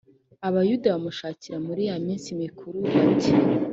abayuda bamushakira muri ya minsi mikuru bati